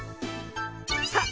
さあ